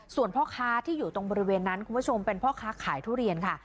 ส่วนพ่อค้าที่อยู่ตรงบริเวณนั้นคุณผู้ชมเป็นพ่อค้าขายทุเรียนค่ะ